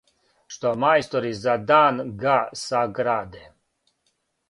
Што мајстори за дан га саграде,